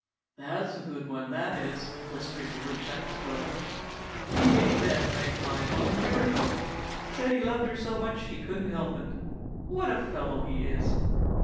"That's a good one, that is!" whispered the wood chuck to Toto. "He ate that magpie about a year ago; said he loved her so much he couldn't help it. What a fellow he is!"